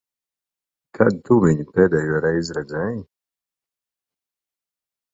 Kad tu viņu pēdējoreiz redzēji?